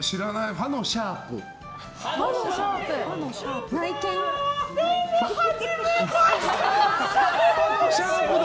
ふぁのシャープだ！